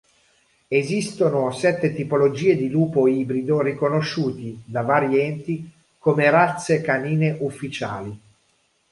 Esistono sette tipologie di lupo ibrido riconosciute da vari enti come razze canine ufficiali.